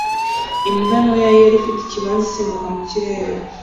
Imbwa ntoya yera ifite ikibanza isimbuka mu kirere